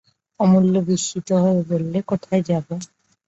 অমূল্য বিস্মিত হয়ে বললে, যাবে কোথায়?